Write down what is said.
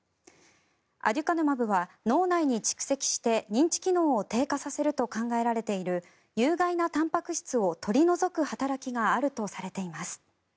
アデュカヌマブは脳内に蓄積して認知機能を低下させると考えられている有害なたんぱく質を取り除く働きがあるとされています。